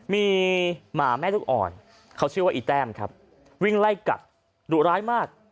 มีหมาแม่ลูกอ่อนเขาชื่อว่าอีแต้มครับวิ่งไล่กัดดุร้ายมาก